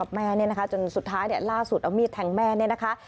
แม่เนี่ยนะคะจนสุดท้ายล่าสุดเอามีดแทงแม่เนี่ยนะคะ